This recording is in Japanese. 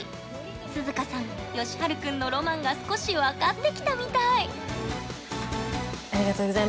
寿々歌さんよしはる君のロマンが少し分かってきたみたい。